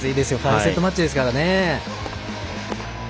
５セットマッチですからね。